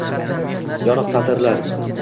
Yoniq satrlar.